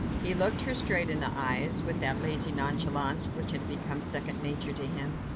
He looked her straight in the eyes, with that lazy nonchalance which had become second nature to him.